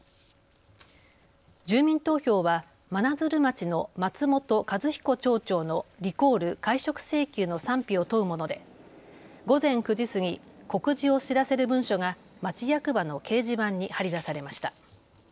住民投票は真鶴町の松本一彦町長のリコール・解職請求の賛否を問うもので午前９時過ぎ、告示を知らせる文書が町役場の掲示板に貼り出されました。